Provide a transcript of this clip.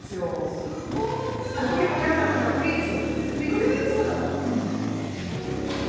ギャザーっていうか、プリーツ。